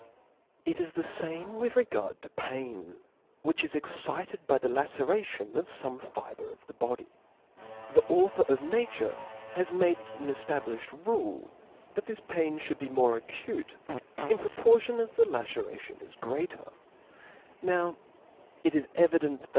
It is the fame with regard to pain ; which is excited by the laceration of fome fibre of the body. The author of nature has made it an eftablifhcd rule fhat this pain (hould be more acute in pro portion as the laceration is greater : now it is evident, that?